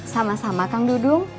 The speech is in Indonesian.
sama sama kang dudung